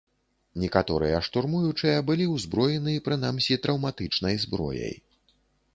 Некаторыя штурмуючыя былі ўзброены прынамсі траўматычнай зброяй.